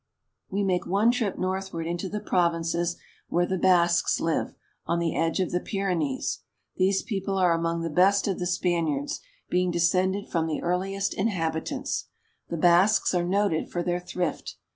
We make one trip northward into the provinces where the Basques live, on the edge of the Pyrenees. These peo ple are among the best of the Spaniards, being descended from the earliest inhabitants. The Basques are noted for their thrift.